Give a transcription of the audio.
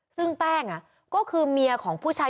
ซึ่งแป้งก็คือเมียของผู้ชาย